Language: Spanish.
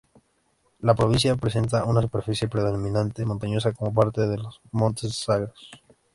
La provincia presenta una superficie predominantemente montañosa, como parte de los montes Zagros.